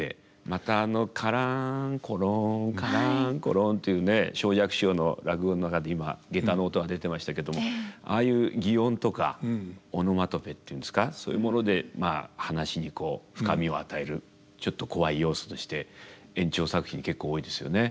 またあの「カランコロンカランコロン」というね正雀師匠の落語の中で今下駄の音が出てましたけどああいう擬音とかオノマトペっていうんですかそういうものでまあ噺にこう深みを与えるちょっとコワい要素として圓朝作品結構多いですよね。